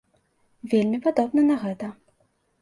Вельмі падобна на гэта.